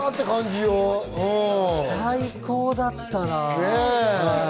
最高だったな。